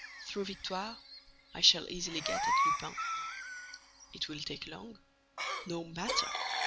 Through Victoire I shall easily get at Lupin." "It will take long." "No matter!